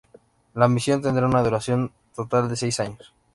La misión tendrá una duración total de seis años.